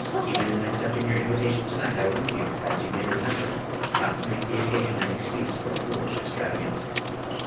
Even in accepting your invitation to night I warned you, as you may remember, not to make the occasion an excuse for foolish extravagance.